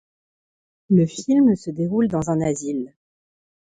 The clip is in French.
Le film se déroule dans un asile.